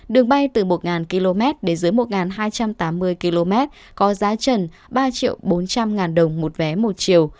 đường bay từ một km đến dưới một hai trăm tám mươi km có giá trần ba bốn trăm linh ngàn đồng một vé một chiều